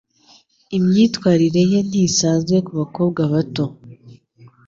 Imyitwarire ye ntisanzwe kubakobwa bato.